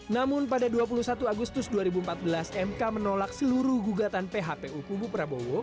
namun pada dua puluh satu agustus dua ribu empat belas mk menolak seluruh gugatan phpu kubu prabowo